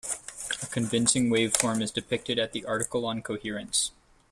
A convincing waveform is depicted at the article on coherence.